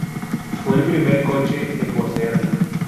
Fue el primer coche en poseerla.